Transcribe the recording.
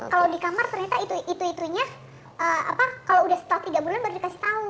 kalau di kamar ternyata itu itu nya kalau sudah setelah tiga bulan baru dikasih tahu gitu loh